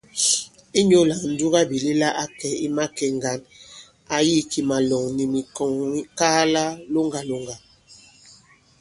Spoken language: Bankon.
Inyū lā ǹdugabìlɛla ǎ kɛ̀ i makè ŋgǎn, ǎ yī kì màlɔ̀ŋ nì mikɔ̀ŋŋkaala loŋgàlòŋgà.